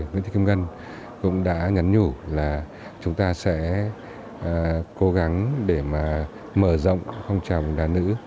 nguyễn thị kim ngân cũng đã nhắn nhủ là chúng ta sẽ cố gắng để mà mở rộng phong trào bóng đá nữ